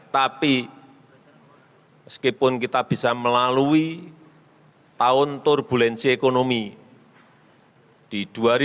tapi meskipun kita bisa melalui tahun turbulensi ekonomi di dua ribu dua puluh